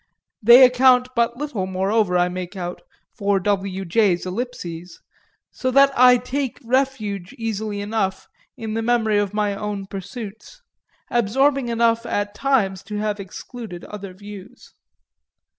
They account but little, moreover, I make out, for W. J.'s eclipses; so that I take refuge easily enough in the memory of my own pursuits, absorbing enough at times to have excluded other views.